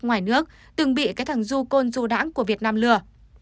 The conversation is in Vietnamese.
ngoài nước từng bị cái thằng du côn du đẵng của việt nam lừa